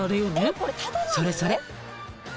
それそれ。